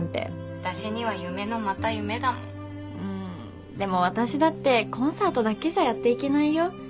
私には夢のまた夢だもんうーんでも私だってコンサートだけじゃやっていけないよ